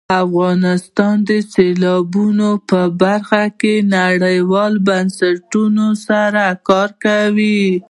افغانستان د سیلابونو په برخه کې نړیوالو بنسټونو سره کار کوي.